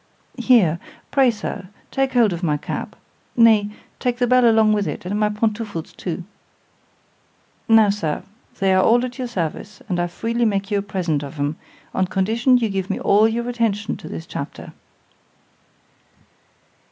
——Here—pray, Sir, take hold of my cap—nay, take the bell along with it, and my pantoufles too. Now, Sir, they are all at your service; and I freely make you a present of 'em, on condition you give me all your attention to this chapter.